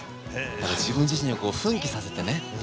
だから自分自身をこう奮起させてね。